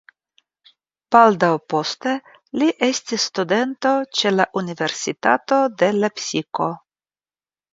Baldaŭ poste li estis studento ĉe la Universitato de Lepsiko.